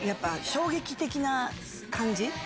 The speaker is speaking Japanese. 衝撃的な感じ。